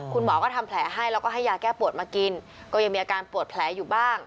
คุณหมอก็ทำแผลให้แล้วก็ให้ยาแก้ปวดมากินก็ยังมีอาการปวดแผลอยู่บ้าง